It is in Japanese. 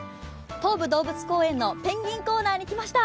東武動物公園のペンギンコーナーに来ました。